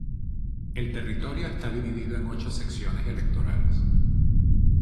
El territorio está dividido en ocho secciones electorales.